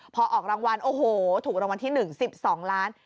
พอออกรางวัลโอ้โหถูกรางวัลที่๑๑๒ล้าน